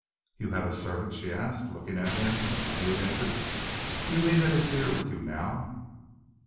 "You have a servant?" she asked, looking at him with renewed interest. "Do you mean that he is there with you now?"